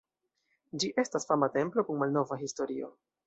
Ĝi estas fama templo kun malnova historio.